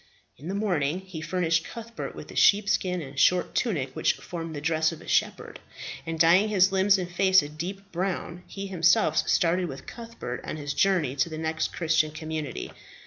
In the morning he furnished Cuthbert with the sheepskin and short tunic which formed the dress of a shepherd, and dyeing his limbs and face a deep brown, he himself started with Cuthbert on his journey to the next Christian community.